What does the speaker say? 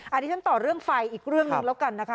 อันนี้ฉันต่อเรื่องไฟอีกเรื่องหนึ่งแล้วกันนะคะ